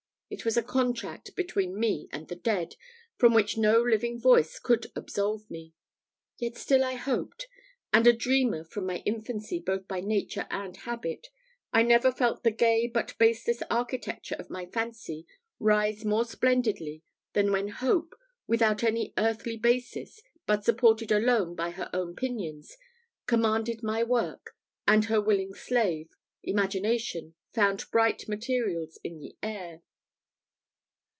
It was a contract between me and the dead, from which no living voice could absolve me. Yet still I hoped; and, a dreamer from my infancy both by nature and habit, I never felt the gay but baseless architecture of my fancy rise more splendidly than when Hope, without any earthly basis, but supported alone by her own pinions, commanded the work, and her willing slave, Imagination, found bright materials in the air.